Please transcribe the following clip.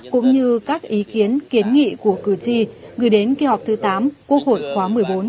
cũng như các ý kiến kiến nghị của cử tri gửi đến kỳ họp thứ tám quốc hội khóa một mươi bốn